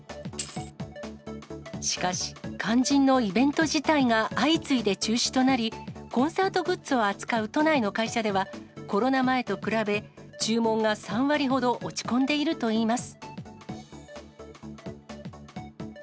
しかし、肝心のイベント自体が相次いで中止となり、コンサートグッズを扱う都内の会社では、コロナ前と比べ、注文が３割ほど落ち込んでいるといいます。